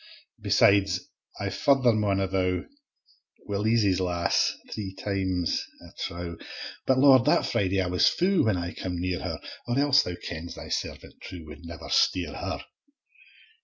Besides, I farther maun allow, Wi' Leezie's lass, three times I trow But Lord, that Friday I was fou, When I cam near her; Or else, Thou kens, Thy servant true Wad never steer her.